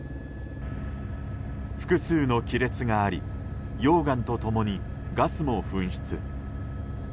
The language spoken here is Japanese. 複数の亀裂があり溶岩と共にガスも噴出。